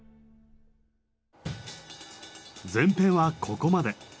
前編はここまで。